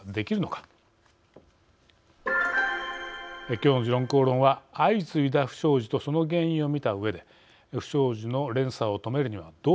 きょうの「時論公論」は相次いだ不祥事とその原因を見たうえで不祥事の連鎖を止めるにはどうするか。